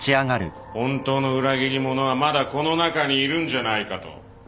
本当の裏切り者はまだこの中にいるんじゃないかと。